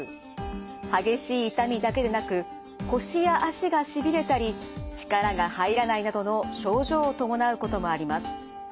激しい痛みだけでなく腰や脚がしびれたり力が入らないなどの症状を伴うこともあります。